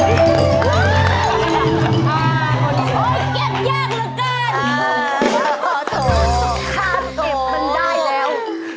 ขอโทษข้ามเก็บมันได้แล้ว